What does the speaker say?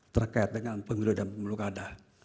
terkait dengan pemilu dan pengeluh kadah